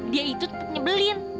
dia itu tepat nyebelin